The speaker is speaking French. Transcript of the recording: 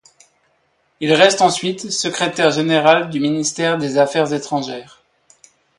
Il reste ensuite secrétaire général du ministère des Affaires étrangères.